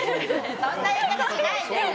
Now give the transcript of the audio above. そんな言い方しないで！